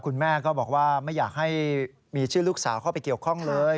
คุณแม่ก็บอกว่าไม่อยากให้มีชื่อลูกสาวเข้าไปเกี่ยวข้องเลย